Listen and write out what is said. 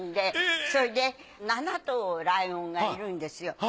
それで７頭ライオンがいるんですよ。